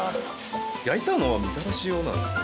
焼いたのはみたらし用なんですね。